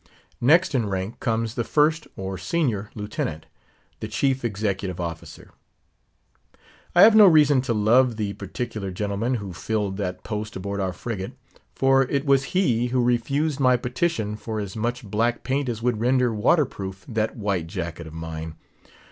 Next in rank comes the First or Senior Lieutenant, the chief executive officer. I have no reason to love the particular gentleman who filled that post aboard our frigate, for it was he who refused my petition for as much black paint as would render water proof that white jacket of mine.